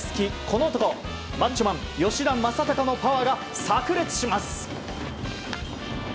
この男、マッチョマン吉田正尚のパワーがさく裂します。